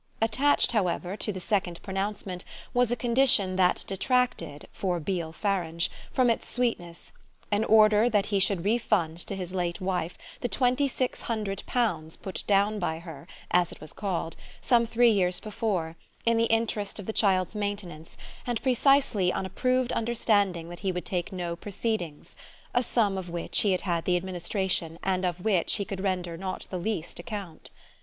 Attached, however, to the second pronouncement was a condition that detracted, for Beale Farange, from its sweetness an order that he should refund to his late wife the twenty six hundred pounds put down by her, as it was called, some three years before, in the interest of the child's maintenance and precisely on a proved understanding that he would take no proceedings: a sum of which he had had the administration and of which he could render not the least account.